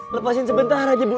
lepasin sebentar aja bu